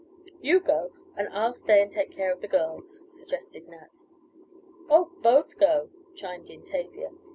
"You go and I'll stay and take care of the girls," suggested Nat. "Oh, both go," chimed in Tavia.